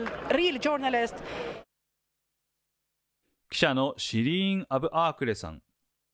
記者のシリーン・アブアークレさん。